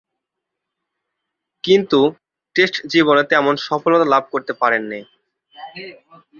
কিন্তু টেস্ট জীবনে তেমন সফলতা লাভ করতে পারেননি।